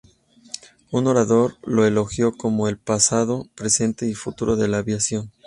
Un orador lo elogió como "el pasado, presente y el futuro de la aviación".